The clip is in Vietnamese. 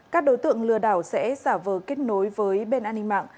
các đối tượng lừa đảo sẽ giả vờ kết nối với bên an ninh mạng